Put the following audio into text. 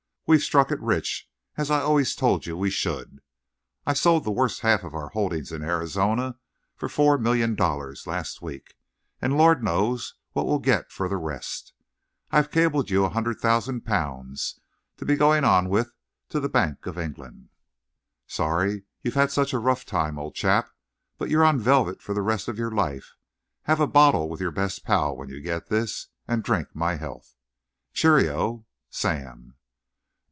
We've struck it rich, as I always told you we should. I sold the worse half of our holdings in Arizona for four million dollars last week, and Lord knows what we'll get for the rest. I've cabled you a hundred thousand pounds, to be going on with, to the Bank of England. Sorry you've had such a rough time, old chap, but you're on velvet for the rest of your life. Have a bottle with your best pal when you get this, and drink my health. Cheerio! Sam.